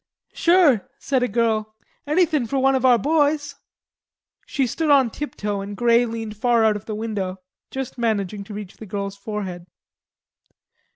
"Sure," said a girl, "anythin' fer one of our boys." She stood on tiptoe and Grey leaned far out of the window, just managing to reach the girl's forehead.